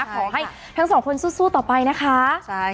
ขอให้ทั้งสองคนสู้ต่อไปนะคะ